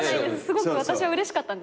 すごく私はうれしかったんです。